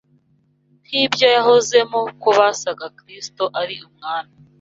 nk’ibyo yahozemo ko basanga Kristo ari umwami